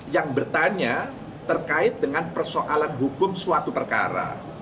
yang bertanya terkait dengan persoalan hukum suatu perkara